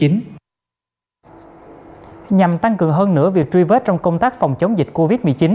nhằm tăng cường hơn nữa việc truy vết trong công tác phòng chống dịch covid một mươi chín